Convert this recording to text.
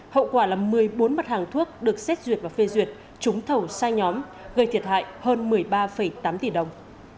hậu quả là một mươi bốn mặt hàng thuốc được xét duyệt và phê duyệt trúng thầu sai nhóm gây thiệt hại hơn một mươi ba tám tỷ đồng